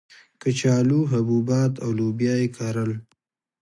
کچالو، حبوبات او لوبیا یې کرل.